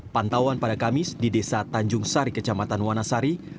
pantauan pada kamis di desa tanjung sari kecamatan wanasari